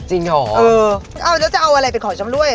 จริงหรอเออแล้วจะเอาอะไรเป็นของชำรวย